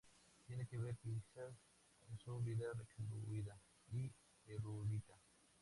Tiene que ver, quizás, con su vida recluida y erudita.